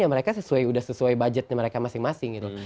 ya mereka sudah sesuai budgetnya mereka masing masing gitu